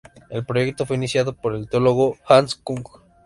El proyecto fue iniciado por el teólogo Hans Küng.